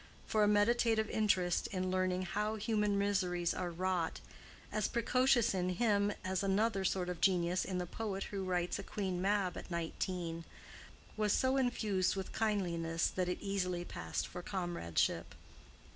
For a meditative interest in learning how human miseries are wrought—as precocious in him as another sort of genius in the poet who writes a Queen Mab at nineteen—was so infused with kindliness that it easily passed for comradeship.